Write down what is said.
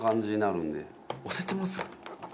押せてます？